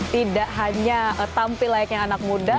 tidak hanya tampil layaknya anak muda